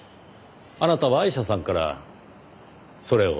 あなたはアイシャさんからそれを聞いた。